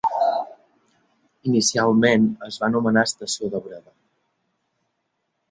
Inicialment es va anomenar estació de Breda.